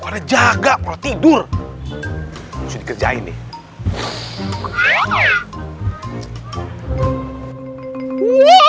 warna jaga mau tidur dikerjain nih